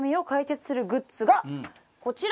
こちら！